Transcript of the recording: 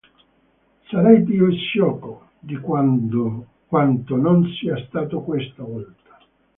Sarei più sciocco di quanto non sia stato questa volta.